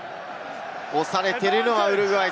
押されているのはウルグアイ。